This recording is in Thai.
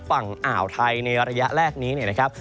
ฝั่งอ่าวไทยในระยะแรกนี้เนี่ยนะครับ